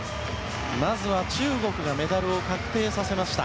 まずは中国がメダルを確定させました。